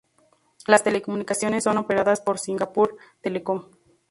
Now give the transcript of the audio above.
Las telecomunicaciones son operadas por Singapore Telecom.